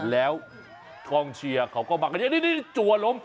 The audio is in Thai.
แล้วท่องเชียเขาก็มากนี่จัวลง